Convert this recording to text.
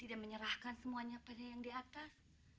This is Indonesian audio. tidak menyerahkan semuanya pada yang di atas